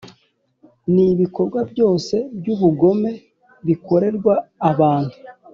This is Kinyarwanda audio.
ni ibikorwa byose by’ubugome bikorerwa abantu,